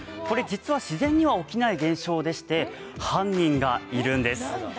これ、実は自然には起きない現象でして犯人がいるんです。